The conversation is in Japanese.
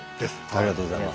ありがとうございます。